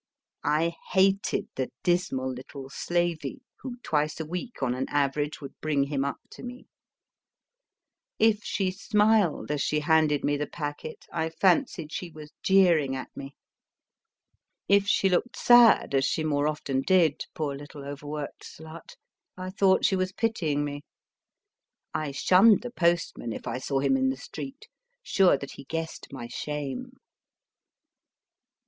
I hated the dismal little slavey who, twice a week, on an average, would bring him up to me. If she smiled as she 230 MY FIRST BOOK handed me the packet, I fancied she was jeering at me. If she looked sad, as she more often did, poor little over worked slut, I thought she was pitying me. I shunned the postman if I saw him in the street, sure that he guessed my shame.